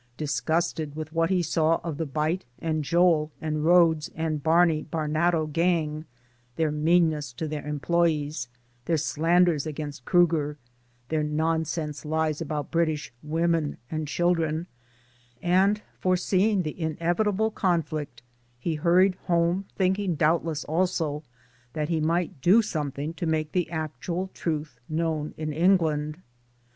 Disgusted with what he saw of the Beit and Joel and Rhodes and Barney Barnato gang their meanness to their em ployees, their slanders against Kriiger, their non sense lies about British " women and children," and foreseeing the inevitable conflict, he hurried home thinking doubtless also that he might do something to make the actual truth known in England.